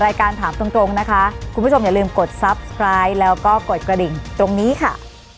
วันนี้สวัสดีค่ะ